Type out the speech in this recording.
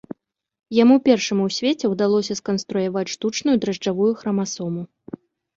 Яму першаму ў свеце ўдалося сканструяваць штучную дражджавую храмасому.